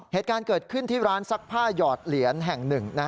เหตุการณ์เกิดขึ้นที่ร้านซักผ้าหยอดเหรียญแห่งหนึ่ง